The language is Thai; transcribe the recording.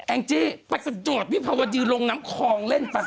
แอ้งจี้ไปสะโจ๊ะพี่ภาวะดีลงน้ำคองเล่นป่ะ